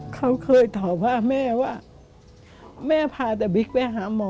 เขาเคยตอบว่าแม่ว่าแม่พาแต่บิ๊กไปหาหมอ